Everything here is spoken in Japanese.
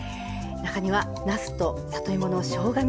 中にはなすと里芋のしょうが